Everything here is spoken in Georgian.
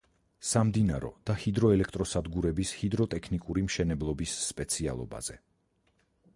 სამდინარო და ჰიდროელექტროსადგურების ჰიდროტექნიკური მშენებლობის სპეციალობაზე.